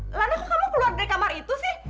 lana kamu kok keluar dari kamar itu sih